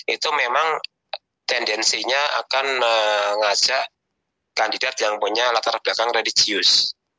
itu memang tendensinya akan mengajak kandidat yang punya latar belakang religius